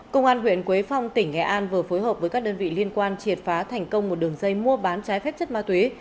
công an huyện quế phong tỉnh nghệ an vừa phối hợp với các đơn vị liên quan triệt phá thành công một đường dây mua bán trái phép chất ma túy